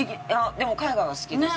でも海外は好きです。